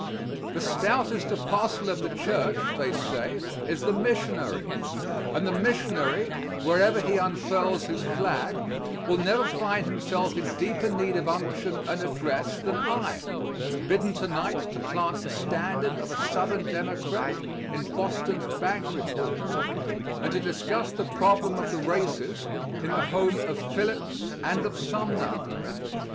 The stoutest apostle of the Church, they say, is the missionary, and the missionary, wherever he unfurls his flag, will never find himself in deeper need of unction and address than I, bidden to night to plant the standard of a Southern Democrat in Boston's banquet hall, and to discuss the problem of the races in the home of Phillips and of Sumner.